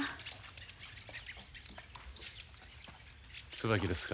椿ですか。